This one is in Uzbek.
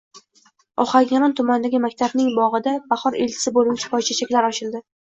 Ohangaron tumanidagi maktabning bogʻida bahor elchisi boʻlmish boychechaklar ochildi.